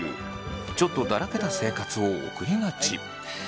ちょっとだらけた生活を送りがち。